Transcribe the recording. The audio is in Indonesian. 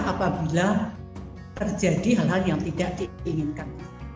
apabila terjadi hal hal yang tidak diinginkan